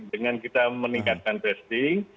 dengan kita meningkatkan testing